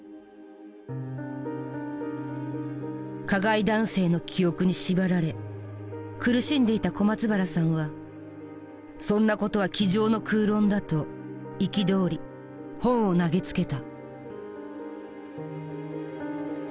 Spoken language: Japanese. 加害男性の記憶に縛られ苦しんでいた小松原さんは「そんなことは机上の空論だ」と憤り本を投げつけた。